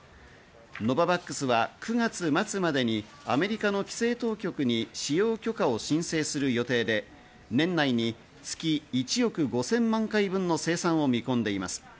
ノババックスは９月末までに米国の規制当局に使用許可を申請する予定で、年内に月１億５０００万回分の生産を見込んでいます。